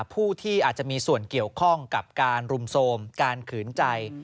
ผู้ที่อาจจะมีส่วนเกี่ยวข้องกับการรุมโทรมการขืนใจ